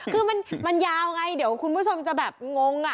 คือมันยาวไงเดี๋ยวคุณผู้ชมจะแบบงงอ่ะ